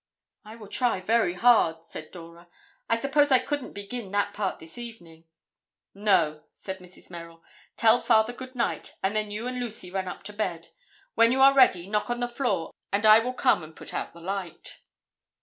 "I will try very hard," said Dora. "I suppose I couldn't begin that part this evening?" "No," said Mrs. Merrill. "Tell Father good night, and then you and Lucy run up to bed. When you are ready, knock on the floor and I will come and put out the light."